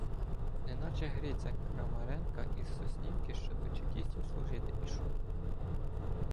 Неначе Гриця Крамаренка із Сос- нівки, що до чекістів служити пішов.